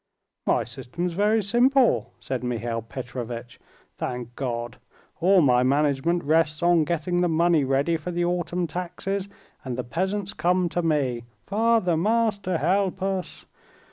"My system's very simple," said Mihail Petrovitch, "thank God. All my management rests on getting the money ready for the autumn taxes, and the peasants come to me, 'Father, master, help us!